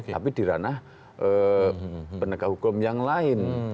tapi di ranah penegak hukum yang lain